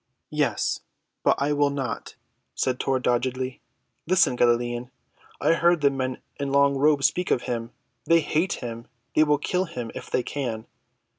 "Yes, but I will not," said Tor doggedly. "Listen, Galilean. I heard the men in long robes speak of him. They hate him. They will kill him, if they can.